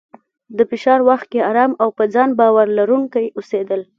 د فشار وخت کې ارام او په ځان باور لرونکی اوسېدل،